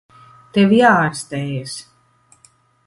Tev jāārstējas.